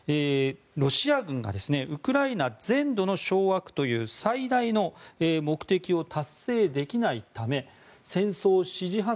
ロシア軍がウクライナ全土の掌握という最大の目的を達成できないため戦争支持派